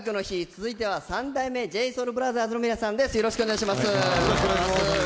続いては三代目ＪＳＯＵＬＢＲＯＴＨＥＲＳの皆さんです。